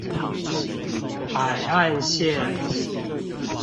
海岸線